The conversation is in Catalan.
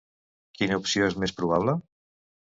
Quina opció és més probable?